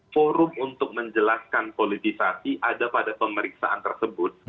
forum untuk menjelaskan politisasi ada pada pemeriksaan tersebut